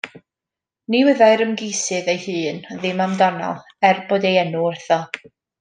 Ni wyddai'r ym¬geisydd ei hun ddim amdano, er bod ei enw wrtho.